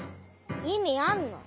意味あんの？